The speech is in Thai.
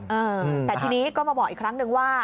เออแต่ทีนี้ก็มาบอกอีกครั้งนึงว่า